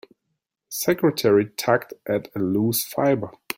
The secretary tugged at a loose fibre.